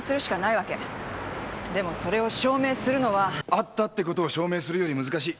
「あった」ってことを証明するより難しい。